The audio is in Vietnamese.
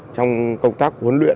trong công tác huấn luyện